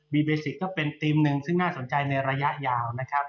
เบสิกก็เป็นธีมหนึ่งซึ่งน่าสนใจในระยะยาวนะครับ